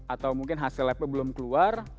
atau mungkin hasil labnya belum keluar